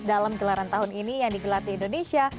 dalam gelaran tahun ini yang digelar di indonesia